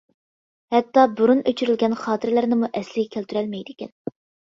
ھەتتا بۇرۇن ئۆچۈرۈلگەن خاتىرىلەرنىمۇ ئەسلىگە كەلتۈرۈلمەيدىكەن.